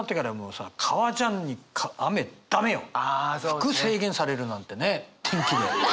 服制限されるなんてね天気で！